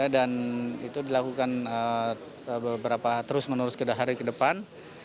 dan itu dilakukan terus menerus ke hari ke depan